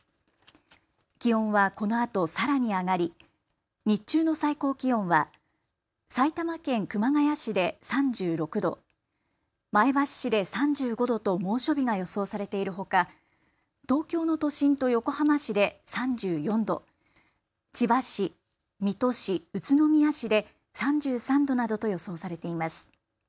気温はこのあとさらに上がり日中の最高気温は埼玉県熊谷市で３６度、前橋市で３５度と猛暑日が予想されているほか東京の都心と横浜市で３４度、千葉市、水戸市、宇都宮市で３３度などと予想されています。